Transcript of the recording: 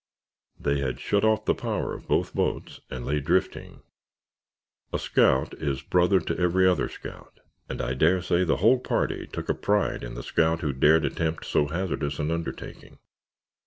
They had shut off the power of both boats and lay drifting. A scout is brother to every other scout, and I dare say the whole party took a pride in the scout who dared attempt so hazardous an undertaking.